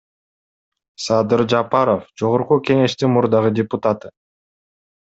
Садыр Жапаров — Жогорку Кеңештин мурдагы депутаты.